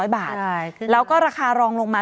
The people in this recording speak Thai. ๐บาทแล้วก็ราคารองลงมา